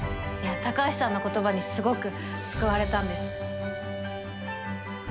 いや高橋さんの言葉にすごく救われたんです。